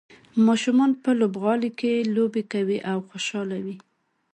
ماشومان په لوبغالي کې لوبې کوي او خوشحاله وي.